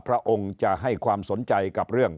พระองค์จะให้ความสนใจกับเรื่อง